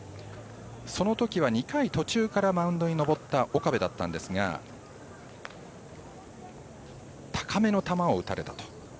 そのときは２回途中からマウンドに上った岡部だったんですが高めの球を打たれたと。